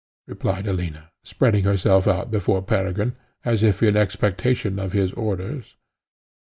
replied Alina, spreading herself out before Peregrine, as if in expectation of his orders.